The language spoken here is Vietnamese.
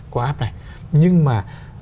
qua áp này nhưng mà